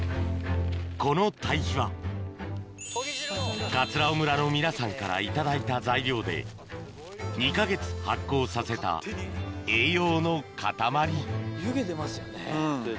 この堆肥は尾村の皆さんから頂いた材料で２か月発酵させた栄養のかたまり湯気出ますよね。